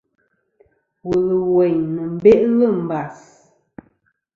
Wùl ɨ̀ wèyn nɨ̀n beʼlɨ̂ mbàs.